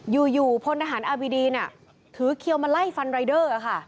อยู่พลทหารอับดีนถือเคี้ยวมาไล่ฟันรายเดอร์